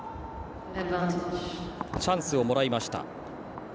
チャンスをもらいました。